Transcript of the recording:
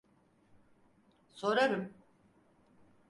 Sorarım.